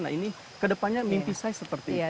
nah ini kedepannya mimpi saya seperti itu